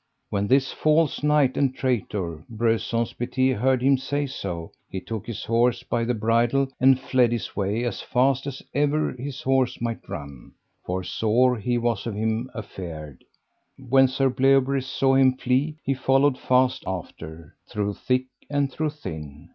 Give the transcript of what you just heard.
When this false knight and traitor, Breuse Saunce Pité, heard him say so, he took his horse by the bridle and fled his way as fast as ever his horse might run, for sore he was of him afeard. When Sir Bleoberis saw him flee he followed fast after, through thick and through thin.